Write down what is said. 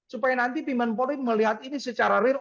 supaya nanti pimpinan polri melihat ini secara real